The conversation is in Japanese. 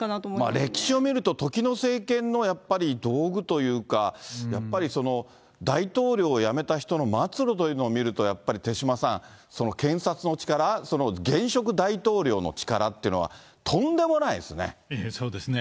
歴史を見ると、時の政権のやっぱり道具というか、やっぱり大統領を辞めた人の末路というのを見ると、やっぱり手嶋さん、検察の力、現職大統領の力っていうのは、そうですね。